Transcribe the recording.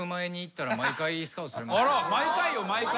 毎回よ毎回。